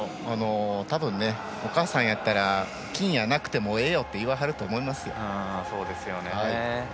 多分、お母さんやったら金やなくてもいいよと言わはると思いますよ。